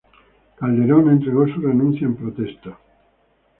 Calderón entregó su renuncia en protesta.